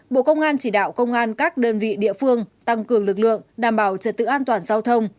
bộ công an chỉ đạo công an các đơn vị địa phương tăng cường lực lượng đảm bảo trật tự an toàn giao thông